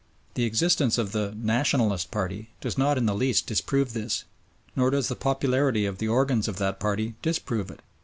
The existence of the "Nationalist" party does not in the least disprove this, nor does the popularity of the organs of that party disprove it.